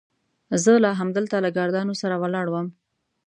زه لا همدلته له ګاردانو سره ولاړ وم.